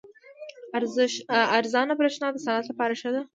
ارزانه بریښنا د صنعت لپاره ښه ده.